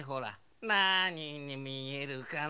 なににみえるかな？